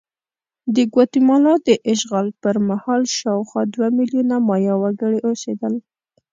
د ګواتیمالا د اشغال پر مهال شاوخوا دوه میلیونه مایا وګړي اوسېدل.